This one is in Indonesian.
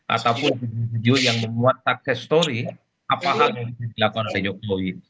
ataupun video video yang membuat sukses story apa hal yang dilakukan oleh jokowi